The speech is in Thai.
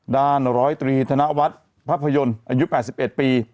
ด้าน๑๐๓ธนวัฒน์พระพยนตร์อายุ๘๑ปี